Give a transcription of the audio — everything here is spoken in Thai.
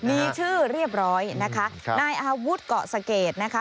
มีชื่อเรียบร้อยนะคะนายอาวุธเกาะสะเกดนะคะ